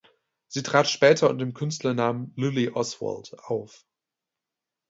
Sie trat später unter dem Künstlernamen "Luli Oswald" auf.